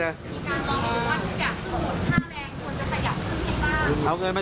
มีการบอกว่าถ้าอยากถูกประกอบค่าแรงควรจะขยับขึ้นไงบ้าง